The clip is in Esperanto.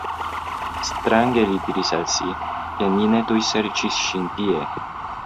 Strange, li diris al si, ke ni ne tuj serĉis ŝin tie.